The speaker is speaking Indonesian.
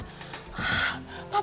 gak ada apa apa